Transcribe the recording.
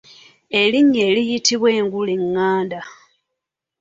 Erinnya eriyitbwa engule eηηanda.